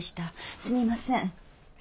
すみません。